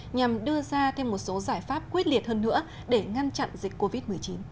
nhằm đưa ra thêm một số giải pháp quyết liệt hơn nữa để ngăn chặn dịch covid một mươi chín